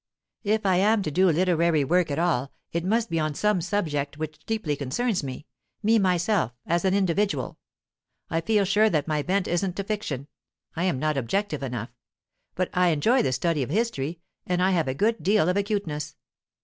If I am to do literary work at all, it must be on some subject which deeply concerns me me myself, as an individual. I feel sure that my bent isn't to fiction; I am not objective enough. But I enjoy the study of history, and I have a good deal of acuteness.